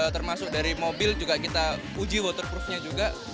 termasuk dari mobil juga kita uji waterproofnya juga